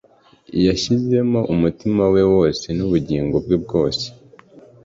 Yashyizemo umutima we wose n'ubugingo bwe bwose.